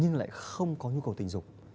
nhưng lại không có nhu cầu tình dục